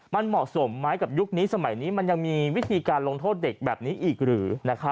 มันเหมาะสมไหมกับยุคนี้สมัยนี้มันยังมีวิธีการลงโทษเด็กแบบนี้อีกหรือ